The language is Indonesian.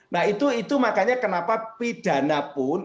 nah itu makanya kenapa pidana pun